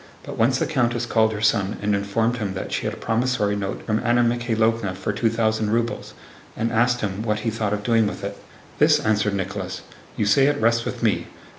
But once the countess called her son and informed him that she had a promissory note from Anna Mikháylovna for two thousand rubles, and asked him what he thought of doing with it. "This," answered Nicholas. "You say it rests with me.